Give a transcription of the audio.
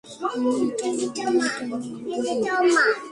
এটাই তোমার বাড়ি।